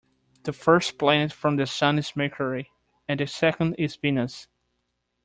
The first planet from the sun is Mercury, and the second is Venus